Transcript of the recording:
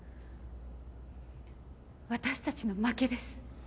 私たちの負けです。